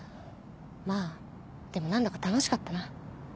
まあでも何だか楽しかったな。